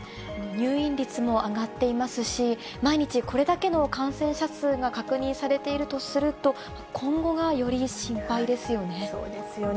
入院率も上がっていますし、毎日これだけの感染者数が確認されているとすると、そうですよね。